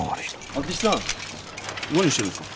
明智さん何してるんですか？